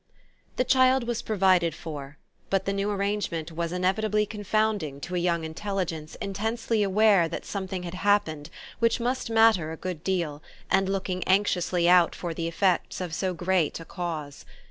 I The child was provided for, but the new arrangement was inevitably confounding to a young intelligence intensely aware that something had happened which must matter a good deal and looking anxiously out for the effects of so great a cause.